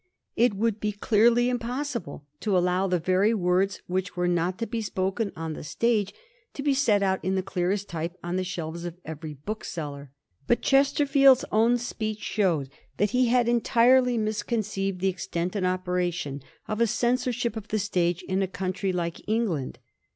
It would clearly be impossible to allow the very words which were not to be spoken on the stage to be set out in the clearest type on the shelves of every bookseller. But Chesterfield's own speech showed that he had entirely misconceived the extent and operation of a censorship of the stage in a country like England.